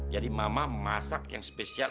jadi mama masak yang spesial